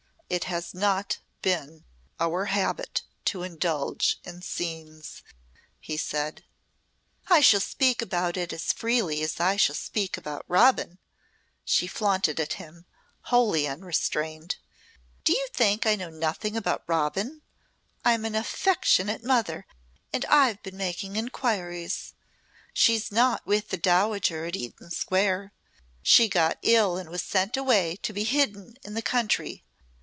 It has not been our habit to indulge in scenes," he said. "I shall speak about it as freely as I shall speak about Robin," she flaunted at him, wholly unrestrained. "Do you think I know nothing about Robin? I'm an affectionate mother and I've been making inquiries. She's not with the Dowager at Eaton Square. She got ill and was sent away to be hidden in the country.